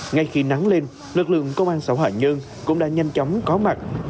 ngay khi nắng lên lực lượng công an xã hạ nhơn cũng đã nhanh chóng có mặt